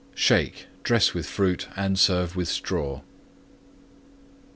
Shake; dress with Fruit and serve with Straw.